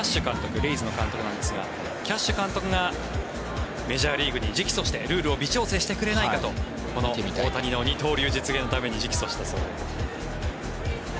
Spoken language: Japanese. レイズの監督なんですがキャッシュ監督がメジャーリーグに直訴してルールを微調整してくれないかとこの大谷の二刀流の実現のために直訴したそうで。